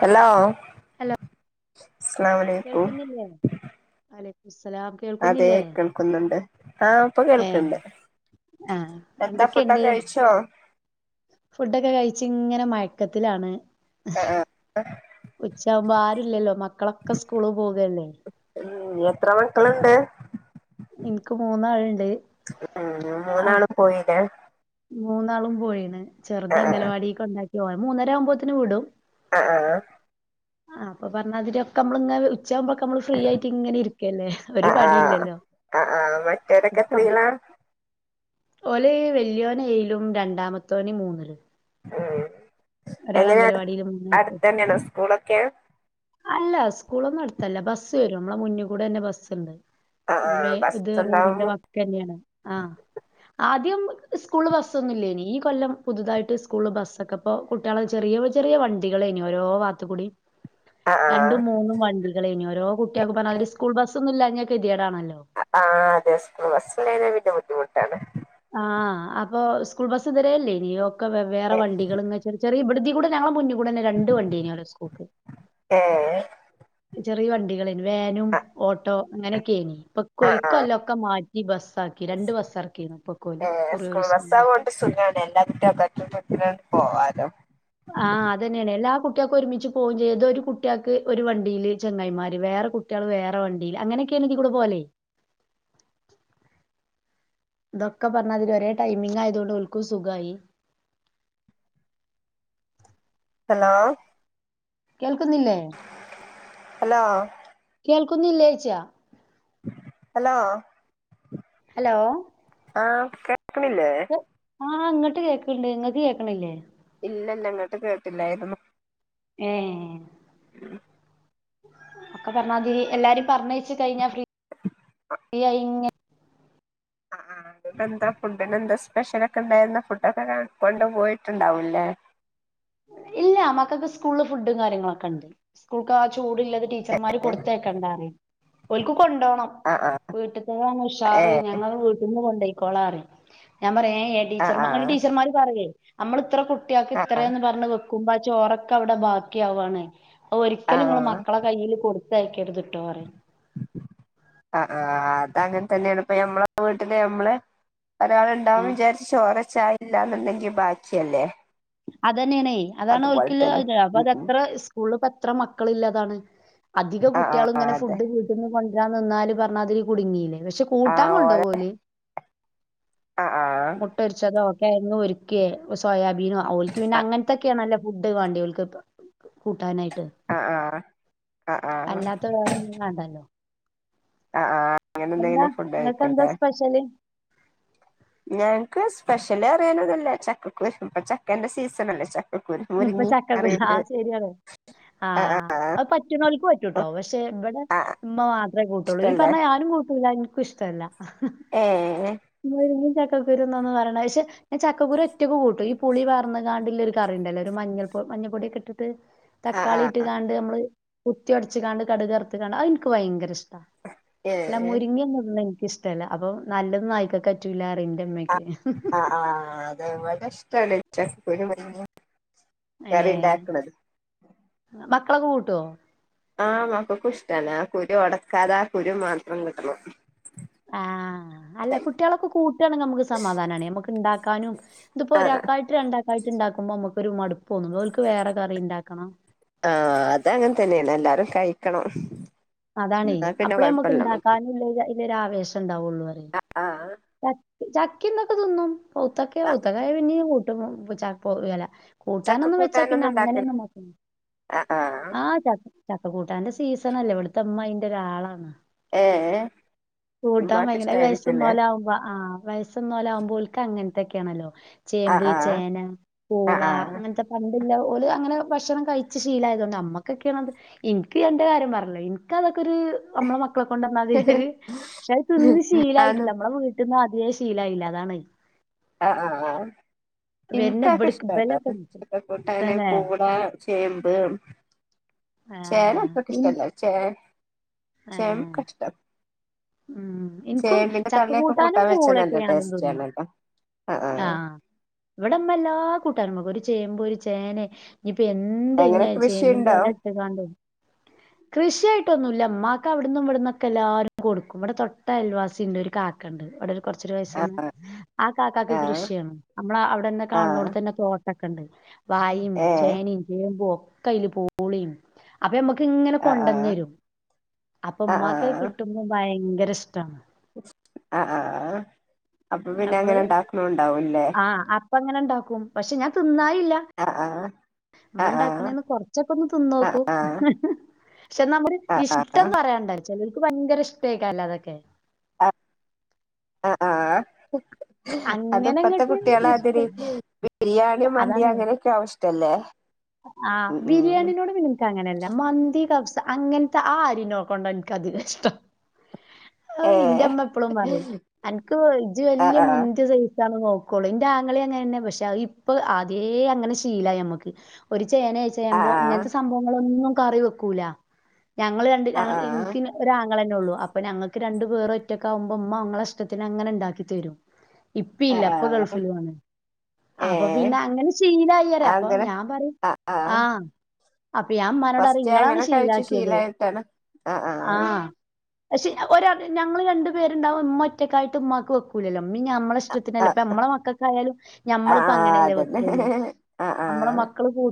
Hello hello [unintelligible] അലൈക്കും കേൾക്കുന്നില്ലേ അല സ അലാം അതെ കേൾക്കുന്നില്ലേ കേൾക്കുന്നുണ്ട് ആ ഇപ്പൊ ഏ കേൾക്കണ്ട് ആ എന്താ ഫുഡൊക്കെ എന്തൊക്കെണ്ട് കഴിച്ചോ ഫുഡൊക്കെ കഴിച്ച് ഇങ്ങനെ മ യക്കത്തിലാണ് ഉ ഉച്ച ആകുമ്പോ ആരൂല്ലല്ലോ മക്കളൊക്കെ സ്കൂള് പോകല്ലേ ഉം എത്ര മക്കളുണ്ട് എനിക്ക് മൂന്നാൾണ്ട് ഉം അ മൂന്നാള് പോയില്ലേ മൂന്നാളും പോയിണ് ചെറുത് ആ അംഗലവാടി കൊണ്ടാക്കി ഓളെ മൂന്നര ആവുമ്പോത്ത്ന് വിടും അ അ ആ ആ അപ്പ പറഞ്ഞാതിരി ഒക്കെ മ്മള ഇ ഉച്ചയാകുമ്പോക്കെ നമ്മൾ ഫ്രീ ആയിട്ട് ഇങ്ങനെ ഇരിക്കല്ലേ ആ ഒരു ആ പണി ഇല്ലല്ലോ [inaudible] ആ ആ മറ്റവരൊക്കെ എത്രയിലാ ഓല് വല്‌യോ നേയിലും രണ്ടാമത്തോന് മൂന്നിലും ഉം ഒരാള് എങ്ങനെയാ അംഗലവാടിയിലും മൂന്ന് വയസ്സ് അടുത്ത് തന്ന്യാണോ സ്കൂളൊക്കെ അല്ല സ്കൂളൊന്നും അടുത്തല്ല ബസ്സ് വരും നമ്മളെ മുന്നിൽ കൂടെ തന്നെ ബസ്സുണ്ട് ആ ഉം ആ മെ ബസ് ഇത് റോഡിന്റെ ഉണ്ടാവുമോ വക്കന്നെയാണ് ആ ആ ദ്യം സ്കൂൾ ബസ്സൊന്നും ഇല്ലേനി ഈ കൊല്ലം പുതുതായിട്ട് സ്കൂള് ബസ്സൊക്കെപ്പോ കുട്ടിയേള് ചെറിയ ചെറിയ വണ്ടികളേനി ഓരോ വാത്ത് കൂടിം ആ ആ രണ്ടും മൂന്നും വണ്ടികളേനി ഓരോ കുട്ടിയാക്കും പറഞ്ഞാതിരി സ്കൂൾ ബസ്സൊന്നും ഇല്ലാ ഞ്ഞ കെ ആഹ് അതെ സ്‌കൂൾബസ്ല് ഇ [unintelligible] ബുദ്ധിമു ട്ടാണ് ആഹ് അപ്പൊ സ്കൂൾ ബസ് ഇതരേല്ലേ നി ക്കെ വെവേറെ ഏ വണ്ടികള് ഇങ്ങ ചെറു ചെറിയ ഇ തീക്കൂടെ ഞങ്ങളെ മൂന്ന് കൂടെന്നെ രണ്ട് വണ്ട്യേനി ഓലെ സ്കൂൾക്ക് ഏ ചെറിയ വണ്ടികളേനി വാനും ആ ഓട്ടോ അങ്ങനെക്കെനി പക്വൊ ആ ഈ ആ കൊല്ലൊക്കെ മാറ്റി ബസ്സാക്കി രണ്ട് ബസ്സാക്കീണ് പ്പം ഏ സ്കൂൾ ബസ്സായോണ്ട് സുഖാണ് എല്ലാ [unintelligible] ഓ ആരം ആ അതെന്നെണെ എല്ലാ കുട്ട്യേക്കും ഒരുമിച്ച് പോവുംചെയ്യ ഒരു കുട്ട്യേക്ക് ഒരു വണ്ടില് ചെങ്ങായിമാര് വേറെ കുട്ട്യേള് വേറെ വണ്ടില് അങ്ങനെക്കെണ് ഇതി കൂടെ പോലെ ഇതൊക്കെ പറഞ്ഞാതിരി ഒരേ ടൈമിങ്ങായതൊണ്ട് ഒൽക്കും സുഖായി ഹലോ കേൾക്കുന്നില്ലേ ഹലോ കേൾ ക്കുന്നിലേച്ച ഹലോ ഹലോ ആ ക്കെ ക്ക്ണില്ലേ ആ ഇങ്ങട്ട് കേക്ക്ണ്ട് ഇങ്ങക്ക് കേക്ക്ണില്ലേ ഇല്ലല്ല അങ്ങട്ട് കേട്ടില്ലായിരുന്നു ഏ [unintelligible] ഒക്കെ പറഞ്ഞാതിരി എല്ലാരിം പർഞ്ഞയച്ച് കഴിഞ്ഞ ഫ്രീ യായി ഇ ആ ഇങ്ങക്കെന്താ ഫുഡിനെന്താ സ്പെഷ്യലൊക്കെ ണ്ടായിരുന്ന ഫുഡ് ഒക്കെ കാണാ കൊണ്ട് പോയിട്ടുണ്ടാവൂല്ലേ ഇല്ല മക്കക്ക് സ്കൂളിൽ ഫുഡും കാര്യങ്ങളൊക്കെ ണ്ട് സ്കൂൾകാ ചൂടുള്ളത് ടീച്ചർമാര് കൊടുത്തയക്കണ്ട റിം ഒൽക്ക് കൊണ്ടോണം ആ ആ വീട്ട്ക്ക് പോന്ന ഏ ഉഷാറ് ഞങ്ങൾ വീട്ടിന്ന് കൊണ്ടോയ് കൊളാ റിം ഞാൻ പറിം ഏ ഏ ആ ആ ടീച്ചർമ്മാര് ഇങ്ങോട്ട് ടീച്ചർമാർ പറ്‌യേ നമ്മൾ ഇത്ര കു ട്ട്യാക്ക് ആ ആ ഇത്രേന്ന് പറഞ്ഞ് വെ കുമ്പാ ചോറൊക്കൗടെ ബാക്കിയാവാണെ ആ ഒരിക്കലും ഇങ്ങൾ മക്കളെ കയ്യില് കൊട് ത്തയക്കരുത് ആ ആ അങ്ങൻ തന്നെണ് ഇപ്പ നമ്മളെ വീട്ടില് അമ്മള് ആ ഒരാള്ണ്ടാവുമ്പം വിചാരിച്ചും ചോറൊ ച്ച ഇല്ല ന്നുണ്ടെങ്കി ബാക്കിയല്ലേ അ തെന്നേണെ അതുപോലെ അതാണോൽക്ക്ള്ള തന്നെ [unintelligible] ഉം ഉം അപ്പതെത്ര സ്കൂൾല് പ്പത്ര മക്കള് ല്ലതാണ് അധിക ആ ആ കുട്ട്യാള്ങ്ങനെ അതെ ഫുഡ് വീട്ട്ന്ന് കൊൻര്രാ ഇന്നാല് പറഞ്ഞാതി കുടുങ്ങിലേ പക്ഷെ ആ കൂട്ടാൻ ഓരോ കൊണ്ടോവോല്. ആ ആ മുട്ടൊര്ചതോ കെഴങ്ങ്ഒരുക്കേ സോയാബീനോ ഓൽക്ക് ആ പിന്നെ ആ അങ്ങൻത്തൊക്കെണലും ഫുഡ് വാൻഡിയോൽക്ക് കൂട്ടാനായി അ ആഹ് അ ആഹ് അല്ലാത്ത വേറൊന്നും വേണ്ടല്ലോ എന്താ ഫുഡ് ങ്ങക്കെന്താ കഴിക്കുംല്ലേ സ്പെഷ്യല് ഞങ്ങക്ക് സ്പെഷ്യലറിയാനൊന്നുല്ല ചക്കക്കുരു ഇപ്പ ചക്കന്റെ സീസണല്ലേ ച ഇപ്പ ചക്കക്കുരൂ ആ ശെര്യാണ് ആ ആഹ് ആ അഹ് പറ്റ്ണോൽക്ക് പറ്റുട്ടോ പക്ഷെ വടെ ആ ആ ഉമ്മ മാത്രേ കൂട്ടൊള്ളു ഈ ഇഷ്ടല്ലേ പറഞ്ഞ ഞാനും കൂട്ടൂലയ്നു ഇഷ്ട്ടല്ല ഏ മുരിങ്ങി ച ചക്കക്കുരു ന്താന്ന പറണെ ക്ഷെ ഞാൻ ചക്കക്കുരു ഒറ്റക്ക് കൂട്ടും ഈ പുളി പാർന്ന് കാണ്ട്ള്ള ഒരു കറിണ്ടല്ലോ മഞ്ഞൾപൊ മഞ്ഞപൊടിഒക്കെ ട്ട് ട്ട് ആ ആ തക്കാളി ഇട്ട്കാണ്ട് അമ്മള് കുത്തിഒടച്ച്കാണ്ട് കടുകറുത്ത്കാണ്ട് അഹ് ഇൻക്ക് ഭയങ്കര ഇഷ്ട്ടാ ഏ ല്ല മുരിങ്ങഒന്നും ഇടുനില്ല ഇഷ്ടല്ല അപ്പൊ നല്ലതുനായ്ക്കക്കറ്റൂല്ല റിമ് ന്റെമ്മേ ആ ആഹ് അത് വടഷ് [inaudible] ചക്കക്കുരുമ് മുരിങ്ങി കറിണ്ടാക്ക്ണ് ക്കളൊക്കെ കൂട്ടോ ആഹ് മക്കക്കുഷ്ടാണ് ആ കുരു ഒടക്കാതെ ആ കുരു മാത്രം കിട്ടണം ആഹ് അല്ല കുട്ട്യാളൊക്കെ കൂട്ടാണെങ്കി മ്മക്ക് സമാധാനാണെ നമ്മക്ക് ണ്ടാക്കാനും ആ ഇതിപ്പോഒരാക്കായിട്ട് രണ്ട ക്കായിട്ട്ണ്ടാക്കുമ്പോ മുക്കൊരു മടുപ്പ് തോന്നും ഓല്ക് വേറേ കറി ഇണ്ടാകണം ആ അതങ്ങൻതന്നെണ് എല്ലാരും കഴിക്കണം അതാണെ എന്നാ പിന്നെ അപ്പളെ മ്മക്ക് കൊഴപ്പല്ല മറ്റേ ഇണ്ടാക്കാനുള്ളൊരു ആവേശം ണ്ടാവുള്ളൂ കറി ആ പച്ച് ച തിന്നിട്ട് തിന്നും ഉത്തക്കേ ആ ഉത്തക്കായ പിന്നിം കൂ ടു ചാ പോകെല്ല ചക്ക കൂട്ടാനൊന്നും വെച്ചാ പിന്നെ ഉണ്ടാക്കല് അങ്ങനെയൊന്നും നോക്ക ആ ച്ച ച്ച അപ്പ കൂട്ടാൻന്റെ സീസണല്ലേ ഇവിടുത്തെ ഇമ്മ അന്റെ ഒരാളാണ് ഏ കൂട്ടാൻ ഉമ്മാക്ക് ഭയങ്കര വയസൊന്ന ഇഷ്ടായിരിക്കുല്ലേ ലകും ആഹ് വയസസ്ന്നോല ആകുമ്പോ ഓല്ക്ക് അങ്ങന തൊക്കെയാണല്ലോ ചേമ്പ് ആഹ് ആഹ് ചേന പൂള ആഹ് ആഹ് അങ്ങനത്തെ പ പിന്നെ ഓല് അങ്ങനെ ഭക്ഷണം കഴിച്ച് ശീല ആയത കൊണ്ട് അമ്മക്കൊക്കെയണത് ഇനിക്ക് എന്റെ കാര്യം പറഞ്ഞല്ലോ എനിക്കതൊ നമ്മള മക്കളെ കൊണ്ടന്നാൽതി പക്ഷെ അത് തിന്ന് ആന്നു ശീലായിട്ടില്ല നമ്മള വീ കിന്ന അതേ ശീലായില്ല അതാണ് അ അ അഹ വരുന്ന എനക്ക്ക്കെ ഇബട്ക്ക് ഇഷ്ടട്ടോ ഇബലൊക്കെ കിട്ടും ച കൂട്ടന് തന്നെ പൂള ചേമ്പ് ചേന ആഹ് അത്രക്ക് ഇൻ ഇഷ്ടല്ല ചേ സം ഏഹ് കഷ്ടം ഉം എനിക്കും ചക്ക കൂട്ടാനും കൂട്ടാൻ വെച്ചാ പൂളൊക്കെ നല്ല ഞാനും ടേസ്റ്റ് തിന്നും ആണല്ലോ ആഹ് അ അ ആഹ് ഇവിടെമ്മ എല്ലാ കൂട്ടാമക് ഒരു ചേമ്പ് ഒരു ചേനെ ഇപ്പൊ എന്ത ഇങ്ങ എങ്ങനെ ചേമ്പിന്റെ കൃഷിയുണ്ടോ എല ഇട്ട് കാണ്ട കൃഷിയായിട്ടൊന്നും ഇല്ല അവിടുന്ന് ഇവിടുന്നൊക്കെ എല്ലാരും കൊടുക്കും ഇവിടെ തൊട്ട അയൽവാസി ഉണ്ട് ഒരു കാക്ക ഉണ്ട് ഇവിടെ കൊറച്ചൊരു വയസ്സന്ന് ആഹ് ആ കാക്കക്ക് ആഹ് കൃഷിയാണ് നമ്മള അവിടെന്നെ ആഹ് കാണുന്നോടെ തന്നെ തോട്ട ക്കണ്ട് വായും ഏഹ് ചേനയും ചേമ്പോ കയ്ൽ പൂളിം അപ്പൊ നമ്മുക്ക് ഇങ്ങനെ ആഹ് ആഹ് കൊണ്ടന്നരും അപ്പ ആഹ് ഉമ്മാക്ക് ആഹ് ഭയങ്കര ഇഷ്ടാണ് ആ ആഹ അപ്പൊ പിന്നെ നമ്മള് അങ്ങനെ ഉണ്ടാക്കണണ്ടാവൂല്ലേ ആഹ് അപ്പ അങ്ങനെ ഉണ്ടാക്കും പക്ഷെ ഞാ തിന്നാ അ ആഹ നമ്മ ഉണ്ടാക്കണേന്ന് കൊറച്ചൊക്കെ ഒന്ന് ആഹ് തിന്നോക്കൂ ആഹ് പക്ഷെ നമ്മുടെ ആഹ് ആഹ് ഇഷ്ടം ആഹ് പറയണ്ടെ ചിലർക്ക് ഭയങ്കര ഇഷ്ടക്കല്ലോ അതൊക്കെ അ ആഹ അത് അങ്ങനെ ഇപ്പത്തെ അങ്ങട്ട് കുട്ടികള ഇഷ്ട അതിരി ബിരിയാണി മന്തി അതാണ് അങ്ങനെയൊക്കെ ആവശ്യ ലെ ആ ബിരിയാണിനോട് നിനക്ക് അങ്ങനെയല്ല മന്തി കഫ് അങ്ങനത്തെ ആ ആര് നോക്കണ്ട എനിക്ക്തി ഇഷ്ടം ആ ഏ ഇന്റെമ്മ എപ്പളും പറയും അൻക്ക് ഇജ ആ വല്യയ ആ മുന്ത്യ നോക്കുള്ളൂ ഇന്റെ ആങ്ങളി അങ്ങനെന്നെ പക്ഷെ ഇപ്പൊ അതേ അങ്ങനെ ശീലയി മ്മക്ക് ചെയേനേ ആ ചെയ്യുമ്പോ ഇങ്ങനത്തെ സംഭവങ്ങള ഒന്നും കറി വെക്കൂല ഞങ്ങൾ രണ്ട് ആ ഞങ്ങൾ ആ ഇൻക്ക് ഒരാ ങ്ങളെന്നെ ഉള്ളൂ അപ്പൊ ഞങ്ങൾക്ക് രണ്ടു പേർ ഒറ്റക്ക ആകുമ്പോ ഉമ്മങ്ങളെ ഇഷ്ടത്തിന് അങ്ങനെണ്ടാക്കി തരും ഇപ്പ ആ ഇല്ല ഇപ്പൊ ആ ഗൾഫിൽ വാണ് ഏ അപ്പൊ പിന്നെ അങ്ങനെ ശീലയറേ അപ്പൊ അങ്ങനെ ഞാൻ പറയും ആ അപ്പൊ ഞാൻമ്മാനോട അറിം ഫസ്റ്റ് ഇങ്ങളാണ് അങ്ങനെ കഴിച്ചു ശീലാക്കിയത് ശീലായിട്ടാണ് ആ പക്ഷേ ഒരൊ ഞങ്ങള് രണ്ണ്ട് പേരുണ്ടാവുംഇമ്മ ഒറ്റക്കായിട്ട് ഉമ്മാക്ക് വെക്കൂലല്ലോ മ്മ ഞമ്മള ആ ഇഷ്ടത്തിനല്ല ഇപ്പ നമ്മടെ മക്കൾക്കായാലും ആ ഞമ്മളിപ്പ ആ, അങ്ങനെല്ലേ അതന്നെ വെക്കുള്ളൂ ആ ആ നമ്മ മ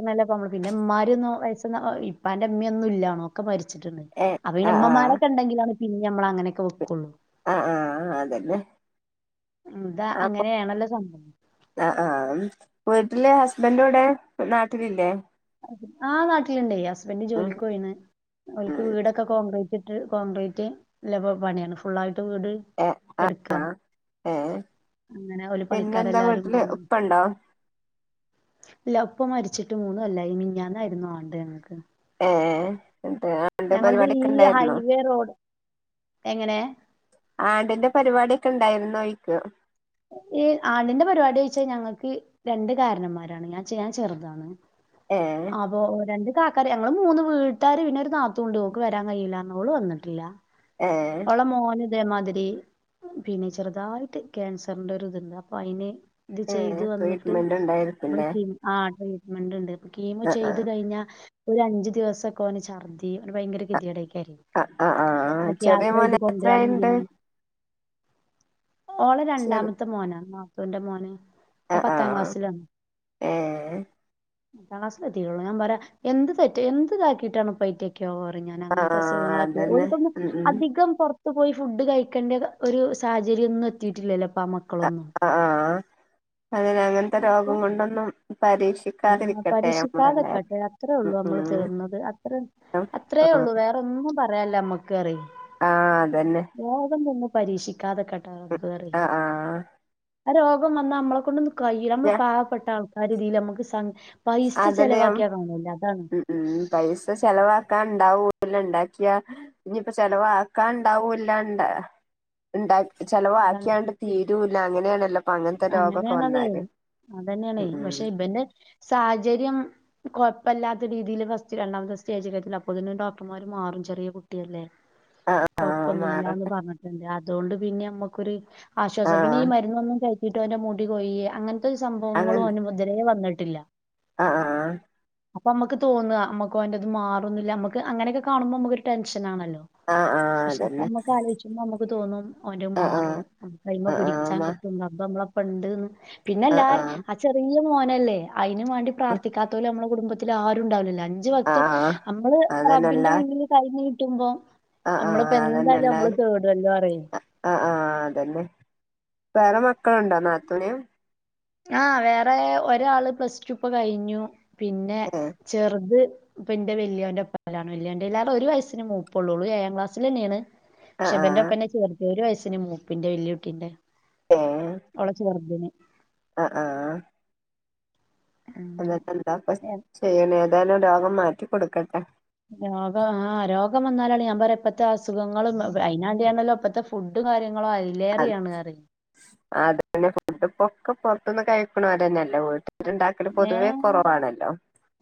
ല്ലമ്മ പിന്നെമ്മാര് വയസ് ഇപ്പാന്റെ ഇമ്മയൊന്നും ഇാല്ലാണോ ഒക്കെ മരിച്ച ചിട്ട്ണ്ട് ഏ ആ അപ്പന്നെ ആ ഇമ്മമാരൊക്കെണ്ടെങ്കില പിന്നെ നമ്മള അങ്ങനൊക്കെ വെക്കുള്ളു ആ ആ അതന്നെ എന്താ അപ്പൊ അങ്ങനെയാണല്ലോ സംഭവം ആ ആ ലെ ഹസ്ബൻഡോടെ നാട്ടിലില്ലേ ആ നാട്ടിലുണ്ടായി ഹസ്ബന്റ ഉം ജോലിക്ക് പോയിണ് ഓൽക്ക് ഉം വീടൊക്കെ കോൺക്രീറ്റ് ട്ട് കോൺക്രീറ്റ് പണിയാണ് ഫുള്ളാ വീട് ഏ എട്ക്ക ആ ഏ അങ്ങനെ ഒരു പണിക്കാര പിന്നെന്താ എല്ലാരും വീട്ടില് കൂടു ഉപ്പ ഉണ്ടോ ഇല്ലപ്പം മരിച്ചിട്ട് മൂന്ന് ല്ല ഇ മിഞ്ഞാന്നായിരുന്നു ആണ്ട് ങ്ങൾക്ക് ഏ എ അണ്ട് പരിപാടൊക്കെ ഈ ഉണ്ടായിര്ന്നോ ഹൈവേ റോ എങ്ങനെ ആണ്ടിന്റെ പരിപാടൊക്കെ ഉണ്ടായിര്ന്നോയ്ക്ക ഈ ആണ്ടിന്റെ പരിപാടിയ്ച്ചാ ഞങ്ങക്ക് രണ്ട കാര്ണോന്മാരാണ് ഞാൻ ചെയ്യ ഞാൻ ചെറുതാണ് ഏ ആബോ രണ്ട് കക്കാർ ഞങ്ങള് മൂന്ന് വീട്ടാര് പിന്നെര് ഒരു നാത്തൂണ്ട് ഓക്ക് വരാൻ കഴിയില്ലന്നോള് വന്നിട്ടില്ല ഏ ഒള മോന അതേമാതിരി പിന്നെ ചെറുതായിട്ട് ക്യാൻസറിന്റെഒരു ഇതുണ്ട് അപ്പൊ അയ്ന് ഇത് ചെയ്ത് ഏ വന്നിട്ട് ട്രീറ്റ്മെന്റ് അവിടെ ഉണ്ടായിരിക്കുംല്ലേ ആ ആട്ട ഇണ്ട്ണ്ട് കീമോ ആ ചെയ്തു കഴിഞ്ഞാ ഒരു അഞ്ചു ദിവസൊക്കെ ഓ ന് ഛർദി ഭയങ്കര കെത്യേടായിരിക്കും ആ ആ ആ ആ ചെറ്യേ എയ്തി കൊണ്ടരാനും ഇതിനൊന്നും ഓളെ ചെറ് രണ്ടാമത്തെ മോനാ ആ ത്തൂൻ്റെ മോന് ആ ഓം ആ പത്താം ക്ലാസ്സിലാണ് ഏ ത്താം ക്ലാസിലെത്തിട്ടൊള്ളൂ ഞാൻ പറയ എന്ത് തെറ്റ് എന്ത് താക്കിയിട്ടാണ് പൈറ്റക്ക് ഞാൻ ആ അങ്ങനത്തെ അസുഖങ്ങളൊക്കെ അതന്നെ ഉം ഉം പൊറത്ത് പോയി ഫുഡ് കഴിക്കേണ്ട ഒരു സാഹര്യംന്നും എത്തിയിട്ടില്ലല്ലോ പാ ആ മക്കളൊന്നും ആ ആ. അതിന് അങ്ങനത്തെ രോഗം കൊണ്ടൊന്നും ആ പരീക്ഷിക്കാതിരിക്കട്ടെ നമ്മളെല്ലാരും പരീക്ഷിക്കാതെക്കട്ടെ ഉം അത്രള്ളു മ്മള് ഉം തേട്ണത് അത്ര ആ അത്രേ ഒള്ളു വേറെൊന്നും പറയാല്ല മ്മക്ക് ൻക്കറിം ആഹ് അതന്നെ പരീക്ഷിക്കും ക്കാതക്കട്ടെ ഉം. റബ്ബ് ആ ആ ആ രോഗം വന്നാ മ്മളെ കൊണ്ട് കൈയ്യൂല മ്മള് പാവപ്പെട്ടാ ആ രീതില് മ്മക്ക് അതെന്നെ ഉം അതാണ് പൈസ ചെലവാക്കാൻണ്ടാവൂല്ല ല്ല ണ്ടാക്കിയാ ഇനിപ്പോ ചെലവാക്കാ ണ്ടാവൂല്ലണ്ട ണ്ടാ ചെിലവാക്കിയാണ്ട് തീരൂല്ല അങ്ങനെയാണെല്ലോ അങ്ങനെയാണതെ അതന്നെണെ ഉം പക്ഷെ ഉം ഇബന്റെ സാഹചര്യം കൊഴപ്പല്ലാത്ത രീതിയില് ഫസ്റ്റ് രണ്ടാമത്തെ സ്റ്റേജിലെത്തി അപ്പ തന്നെ ഡോക്ടർമാർ മാറും ചെറിയ കുട്ടിയല്ലേ ആഹ് ആഹ് കൊഴപ്പൊന്നുല്ലാന്ന് മാറട്ടെ പറഞ്ഞിട്ട്ണ്ട് ആ അതുകൊണ്ട് പിന്നെ ഞമ്മക്കൊരു ആശ്വാസം പിന്നെ ആഹ് ഈ മരുന്നൊന്നും കയറ്റി ട്ടോന്റെ മുടി കൊയ്യെ അങ്ങ ത്തൊരു സംഭവങ്ങളും അങ്ങൻ ഓന് മുതലേ വന്നിട ട്ടില്ല ആഹ് ആ ആ അപ്പൊ മ്മക്ക്തോന്ന മ്മക്ക് ഓന്റെത് മാറുന്നിള്ള മ്മക്ക് അങ്ങനെ ക്കെ കാണുമ്പോ മ്മക്ക് ഒരു ടെൻഷൻ ണല്ലോ ആഹ് ആഹ് പക്ഷെ അപ്പൊ അതന്നെ നമുക്ക് ആലോചിക്കുമ്പോ ക്ക് തോന്നും ഓന്റെ ആഹ് മാറും ആഹ് കൈമേ ആഹ് ആഹ് പിടിച്ചാൻ മ കിട്ട നമ്മള് ഒപ്പണ്ട്ന്ന് ആഹ് പിന്നെല്ലാരും ആഹ് ആ ചെറിയ മോൻ ആണല്ലേ അയ്ന് വേണ്ടി പ്രാർഥിക്കാതോല് നമ്മള് കുടുംബത്തില് ആരും ഉണ്ടാവില്ല അഞ്ച് വക്തും ആഹ് നമ്മള് അതന്നെല്ല റബ്ബിന്റെ മുന്നിൽ കൈ നീ ടുംബം ആഹ് ആഹ് നമ്മളിപ്പോ എന്തായാലും നമ്മള് അതന്നെല്ലാരും കേടുവല്ലോ ആ റെയിൻ ആഹ് ആഹ് അതന്നെ വേറെ മക്കളുണ്ടോ നാത്തൂന് ആ വേറെ ഒരാള് പ്ലസ് ടു ഇപ്പൊ കഴിഞ്ഞു പിന്നെ ഏഹ് ചെറുത് ഇപ്പ എന്റെ വല്യാന്റെപ്പാലാണ് വല്യാന്റെ ല്ലാ ഒരു വയസ്സിന് മൂപ്പ ഉള്ളൂ ഏഴാം ക്ലാസ്സിൽ തന്നെയാണ് ആഹ് ഷെബന്റെ ആഹ് ഒപ്പന്നെ ചേർത്തി ഒരു വയസ് പിന്നെ മൂപ്പിന്റെ വെല്യകുട്ടിന്റെ ഓളെ ചേർത്തിന് ആ ആ അല്ലാ അങ്ങനെ ന്താ പ്പ ചെയ്യണെ [unintelligible] രോഗം മാറ്റി കൊടുക്കട്ടെ രോഗം ആ രോഗം വന്നാലാണ് ഞാൻ പറ ഇപ്പഴത്തെ അസുഖങ്ങളും അതിനാണ്ടാണല്ലോ ഇപ്പഴത്തെ ഫുഡും കാര്യങ്ങള അത് [unintelligible] ഒക്കെ പുറത്തൊന്ന് കഴിക്കണോര് തന്നെയല്ല വീട്ടി ഏ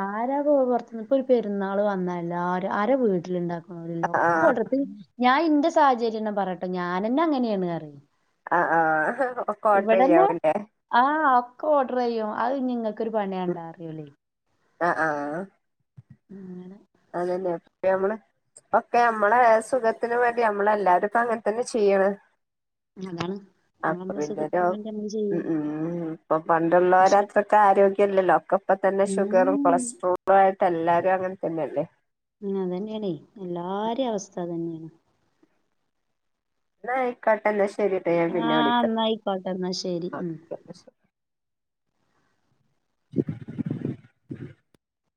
ആരാ പോ പുറത്തന്ന് ഇപ്പൊ ഒരു പേര് രുന്നാള് വന്നാ എല്ലാരും ആരാ വീട്ടിലുണ്ടാക ലോ ആഹ് [unintelligible] ഞാൻ ഇന്റെ സാഹചര്യം പറയട്ടെ ഞാനന്നെ അങ്ങനെയാണ് അറി ആ ആ ഇവിടെന്നെ ആ ഓഡർ ചെയ്യും അത് നിങ്ങ ക്ക് ഒരു പണിയാണ്ടാ അറിയൂല്ലേ അ ആ ആണ് അതന്നെപ്പ നമ്മള് ഒക്കെ നമ്മള സുഖത്തിന് വേണ്ടി നമ്മള എല്ലാരും ഇപ്പ അങ്ങനെ തന്നെ ചെയ്യണെ അതാണ് നമ്മള് അപ്പൊ നമ്മളെ പിന്നരു സുഖത്തിന് വേണ്ടി നമ്മള് ചെയ്യ ഇപ്പൊ ഉം പക്ഷെ പണ്ടുള്ളവരത്രക്കെ ആരോഗ്യ കേല്ല ലോക്കപ്പ ഇപ്പൊ തന്നെ ഷുഗറും ഉം കൊളസ്ട്രോളും ആയിട്ട് എല്ലാരും അങ്ങനെ തന്നെല്ലേ ഉ അത് തന്നെയണേ എല്ലാര അവസ്ഥ തന്നെയാണ് ന കട്ടന്ന [inaudible] ആഹ എന്നായിയിക്കോട്ടെ എന്നാ ശരി ഉം ഓക്കെ എന്നാ ശരി [inaudible]